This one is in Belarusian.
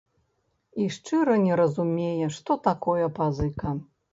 І шчыра не разумее, што такое пазыка.